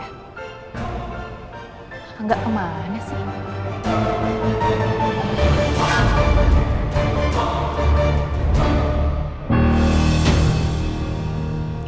pak angga kemana sih